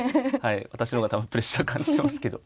私の方が多分プレッシャー感じてますけど。